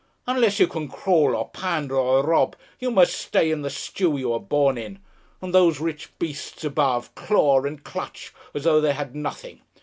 Unless you can crawl or pander or rob you must stay in the stew you are born in. And those rich beasts above claw and clutch as though they had nothing!